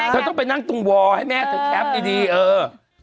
เธอต้องไปนั่งตรงวอลให้แม่เธอแคปดีเออ